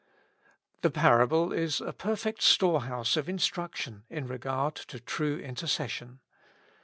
The parable is a perfect storehouse of instruction in regard to true intercession.